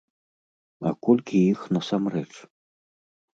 А колькі іх насамрэч?